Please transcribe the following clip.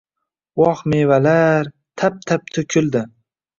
Voh, mevalar! Tap-tap to‘kildi.